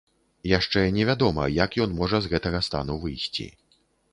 Яшчэ невядома, як ён можа з гэтага стану выйсці.